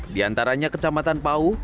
diantaranya kecamatan pauh